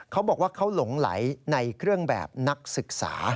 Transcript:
เขาบอกว่าเขาหลงไหลในเครื่องแบบนักศึกษา